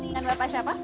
dan bapak siapa